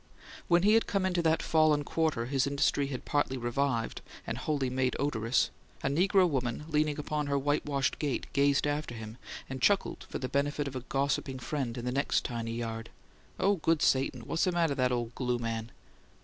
When he had come into that fallen quarter his industry had partly revived and wholly made odorous, a negro woman, leaning upon her whitewashed gate, gazed after him and chuckled for the benefit of a gossiping friend in the next tiny yard. "Oh, good Satan! Wha'ssa matter that ole glue man?"